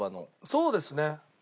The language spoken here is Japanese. そうですね。